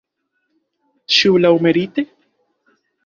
Ĉu laŭmerite?